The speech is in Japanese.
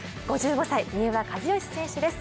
５５歳、三浦知良選手です。